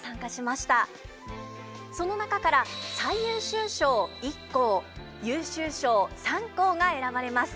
その中から最優秀賞１校優秀賞３校が選ばれます。